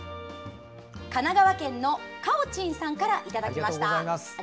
神奈川県のかおちんさんからいただきました。